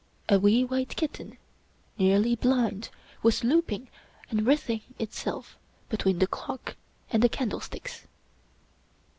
A wee white kitten, nearly blind, was looping and writhing itself between the clock and the candlesticks.